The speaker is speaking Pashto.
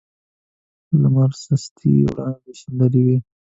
لمر سستې وړانګې شیندلې وې.